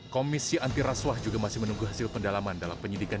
komisi anti rasuah juga masih menunggu hasil pendalaman dalam penyidikan